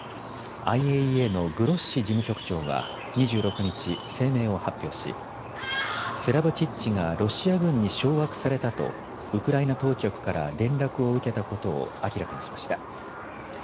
ＩＡＥＡのグロッシ事務局長は２６日、声明を発表しスラブチッチがロシア軍に掌握されたとウクライナ当局から連絡を受けたことを明らかにしました。